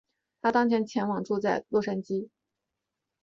她当前住在洛杉矶。